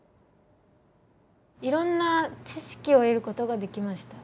いろんな知識を得ることができました。